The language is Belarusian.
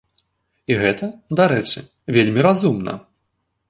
І гэта, дарэчы, вельмі разумна.